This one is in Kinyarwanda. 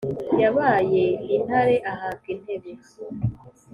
yabaye intare ahabwa intebe